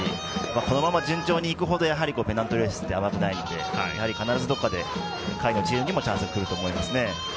このまま順調に行くほどペナントレースって甘くないので必ずどこかで下位のチームにもチャンスがくると思いますね。